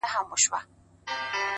پرمختګ د تکراري هڅو حاصل دی,